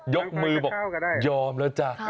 ยกมือบอกยอมแล้วจ้ะ